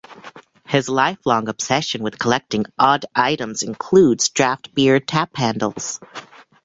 His lifelong obsession with collecting odd items includes draft beer tap handles.